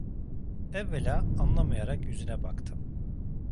Evvela anlayamayarak yüzüne baktım.